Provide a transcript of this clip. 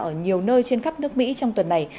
ở nhiều nơi trên khắp nước mỹ trong tuần này